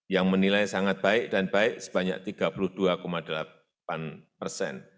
yang menilai sangat baik dan baik sebanyak tiga puluh dua delapan persen